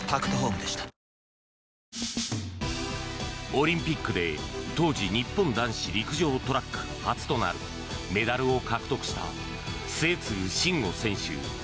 オリンピックで当時日本男子陸上トラック初となるメダルを獲得した末續慎吾選手